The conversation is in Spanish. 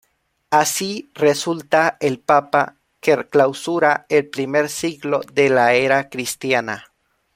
Así resulta el papa que clausura el primer siglo de la era cristiana.